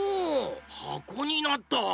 はこになった！